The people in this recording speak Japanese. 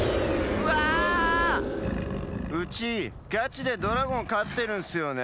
うちガチでドラゴンかってるんすよね。